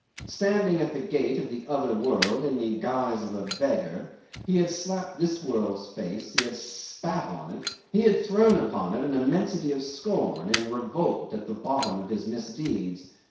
Standing at the gate of the other world in the guise of a beggar, he had slapped this world's face, he had spat on it, he had thrown upon it an immensity of scorn and revolt at the bottom of his misdeeds.